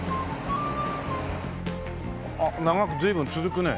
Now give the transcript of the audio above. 長く随分続くね。